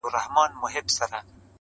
زوى دا ستا په شاني ښايي ابليس پلار ته -